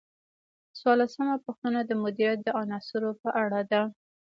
څوارلسمه پوښتنه د مدیریت د عناصرو په اړه ده.